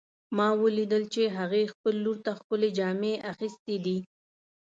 ما ولیدل چې هغې خپل لور ته ښکلې جامې اغوستې دي